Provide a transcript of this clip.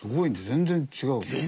全然違うね。